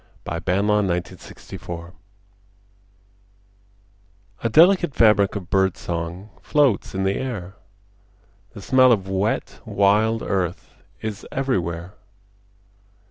VI The Dark Cup May Day A delicate fabric of bird song Floats in the air, The smell of wet wild earth Is everywhere.